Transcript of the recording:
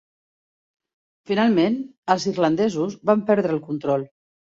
Finalment els irlandesos van prendre el control.